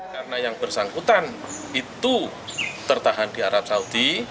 karena yang bersangkutan itu tertahan di arab saudi